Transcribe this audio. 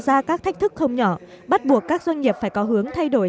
ra các thách thức không nhỏ bắt buộc các doanh nghiệp phải có hướng thay đổi